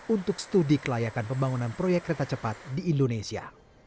untuk studi kelayakan pembangunan proyek kereta cepat di indonesia